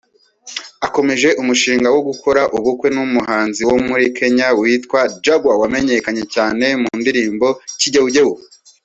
akomeje umushinga wo gukora ubukwe n’umuhanzi wo muri Kenya witwa Jaguar wamenyekanye cyane mu ndirimbo Kigeugeu